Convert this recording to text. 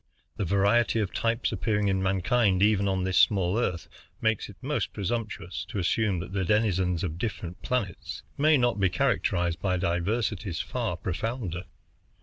The variety of types appearing in mankind even on this small Earth makes it most presumptuous to assume that the denizens of different planets may not be characterized by diversities far profounder.